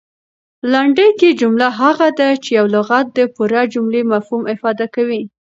لنډکۍ جمله هغه ده، چي یو لغت د پوره جملې مفهوم افاده کوي.